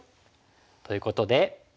ということで。